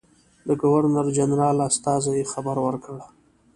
د ګورنرجنرال استازي خبر ورکړ.